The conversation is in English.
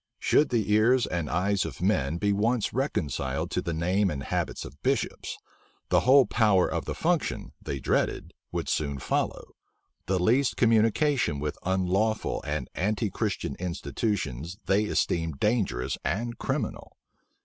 Should the ears and eyes of men be once reconciled to the name and habit of bishops, the whole power of the function, they dreaded, would soon follow: the least communication with unlawful and anti Christian institutions they esteemed dangerous and criminal.